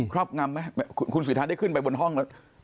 รอบงำไหมคุณสิทธาได้ขึ้นไปบนห้องแล้ว